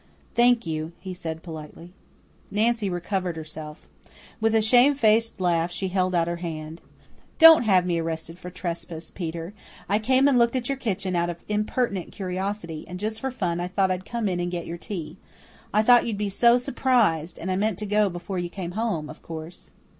"Thank you," he said politely. Nancy recovered herself. With a shame faced laugh, she held out her hand. "Don't have me arrested for trespass, Peter. I came and looked in at your kitchen out of impertinent curiosity, and just for fun I thought I'd come in and get your tea. I thought you'd be so surprised and I meant to go before you came home, of course."